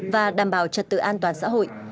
và đảm bảo trật tự an toàn xã hội